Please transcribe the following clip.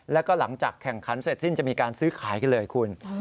แล้วก็หลังจากแข่งขันเสร็จสิ้นจะมีการซื้อขายกันเลยคุณ